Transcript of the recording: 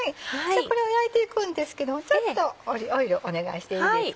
これを焼いていくんですけどもちょっとオイルお願いしていいですか。